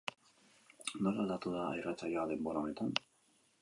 Nola aldatu da irratsaioa denbora honetan?